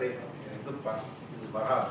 yaitu pak idris marta